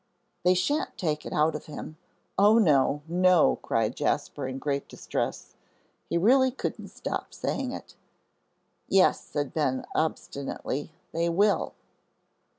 "They shan't take it out of him. Oh, no, no!" cried Jasper, in great distress. He really couldn't stop saying it. "Yes," said Ben, obstinately, "they will."